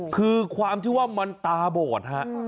คือความที่ว่ามันตาบอดฮะ